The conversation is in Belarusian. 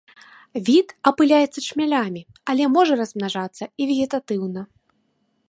Від апыляецца чмялямі, але можа размнажацца і вегетатыўна.